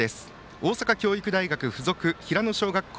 大阪教育大学付属平野小学校